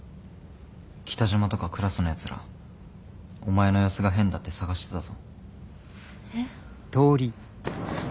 北島とかクラスのやつらお前の様子が変だって捜してたぞ。